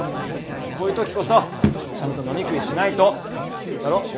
こういう時こそちゃんと飲み食いしないとだろ？